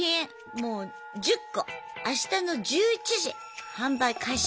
もう１０個あしたの１１時販売開始。